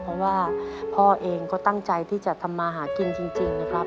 เพราะว่าพ่อเองก็ตั้งใจที่จะทำมาหากินจริงนะครับ